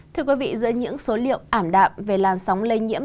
thưa quý vị giữa những số liệu ảm đạm về làn sóng lây nhiễm